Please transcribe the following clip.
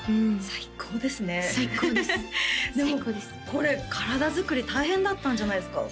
最高です最高ですでもこれ体づくり大変だったんじゃないですか？